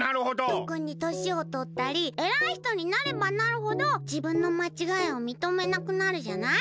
とくにとしをとったりえらい人になればなるほどじぶんのまちがいをみとめなくなるじゃない？